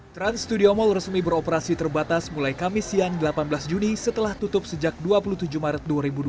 trans studio mall resmi beroperasi terbatas mulai kamis siang delapan belas juni setelah tutup sejak dua puluh tujuh maret dua ribu dua puluh